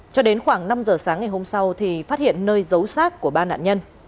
cho đến khoảng năm giờ sáng ngày hôm sau thì phát hiện nơi dấu sát của ba nạn nhân